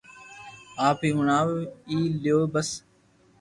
آپ ھي ھڻاو لي تو بس